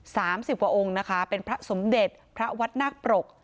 สามสิบกว่าองค์นะคะเป็นพระสมเด็จพระวัดนาคปรก